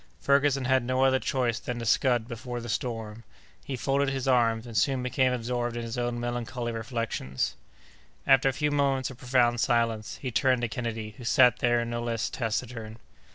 Ferguson had no other choice than to scud before the storm. He folded his arms, and soon became absorbed in his own melancholy reflections. After a few moments of profound silence, he turned to Kennedy, who sat there no less taciturn.